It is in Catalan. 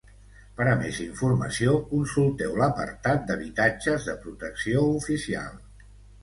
Per a més informació, consulteu l'apartat d'habitatges de protecció oficial.